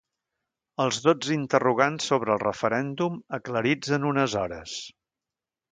Els dotze interrogants sobre el referèndum, aclarits en unes hores.